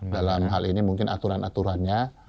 dalam hal ini mungkin aturan aturannya